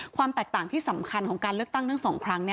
ความแตกต่างที่สำคัญของการเลือกตั้งทั้ง๒ครั้ง